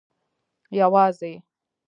یوازي